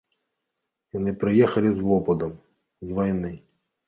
Яны прыехалі з вопытам, з вайны.